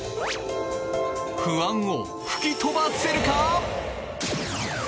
不安を吹き飛ばせるか？